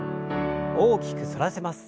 大きく反らせます。